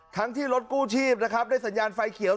ทั้งที่รถกู้ชีพนะครับได้สัญญาณไฟเขียว